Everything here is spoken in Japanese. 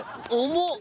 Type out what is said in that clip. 重っ！